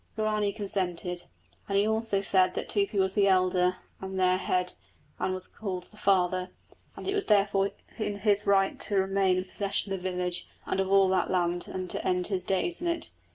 Guarani consented, and he also said that Tupi was the elder and their head, and was called the Father, and it was therefore in his right to remain in possession of the village and of all that land and to end his days in it.